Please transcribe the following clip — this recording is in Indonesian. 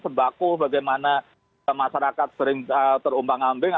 sebaku bagaimana masyarakat sering terumbang ambing